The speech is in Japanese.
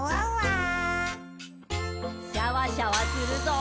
シャワシャワするぞ。